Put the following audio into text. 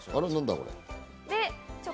何だこれ。